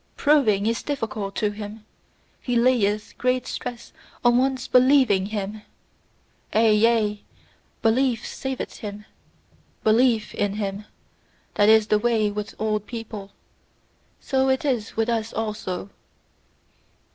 Proving is difficult to him; he layeth great stress on one's BELIEVING him." "Ay! Ay! Belief saveth him; belief in him. That is the way with old people! So it is with us also!"